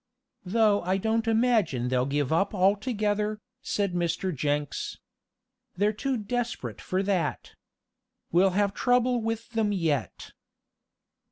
"Though I don't imagine they'll give up altogether," said Mr. Jenks. "They're too desperate for that. We'll have trouble with them yet."